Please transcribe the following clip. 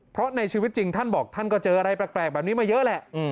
เพราะในชีวิตจริงท่านบอกท่านก็เจออะไรแปลกแบบนี้มาเยอะแหละ